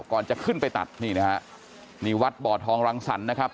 ก่อนจะขึ้นไปตัดนี่นะฮะนี่วัดบ่อทองรังสรรค์นะครับ